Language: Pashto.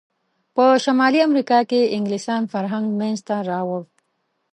په شمالي امریکا کې انګلسان فرهنګ منځته راوړ.